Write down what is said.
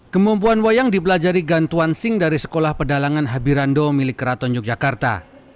kemumpuan wayang dipelajari gan tuan sing dari sekolah pedalangan habirando milik keraton yogyakarta